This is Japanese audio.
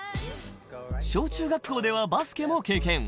小中学校ではバスケも経験。